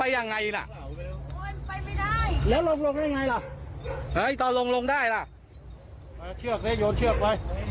คนเดียว